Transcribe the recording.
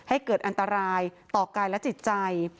ให้เกิดอันตรายต่อกายและจิตใจ